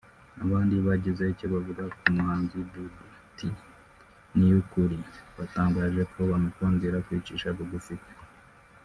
Abandi bagize icyo bavuga ku muhanzi Dudu T Niyukuri batangaje ko bamukundira kwicisha bugufi kwe